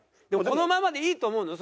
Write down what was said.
このままでいいと思うの？